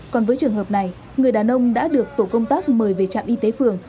còn với trường hợp này người đàn ông đã được tổ công tác mời về trạm y tế phường